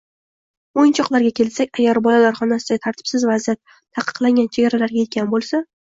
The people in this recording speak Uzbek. O‘yinchoqlarga kelsak, agar bolalar xonasidagi tartibsiz vaziyat ta’qiqlangan chegaralarga yetgan bo‘lsa